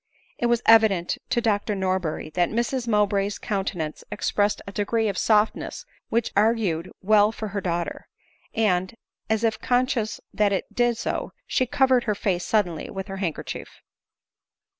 It was evident to Dr Norberry that Mrs Mowbray's countenance expressed a degree of softness which augur ed well for her daughter ; and^ as if conscious that it did so, she covered her face suddenly with her handkerchief.